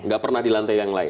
gak pernah di lantai yang lain